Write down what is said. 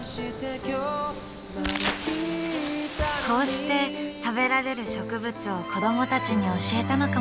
こうして食べられる植物を子どもたちに教えたのかもしれない。